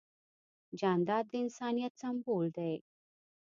جانداد د انسانیت سمبول دی.